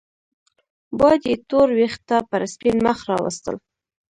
باد يې تور وېښته پر سپين مخ راوستل